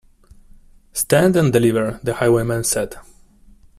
Stand and deliver, the highwayman said.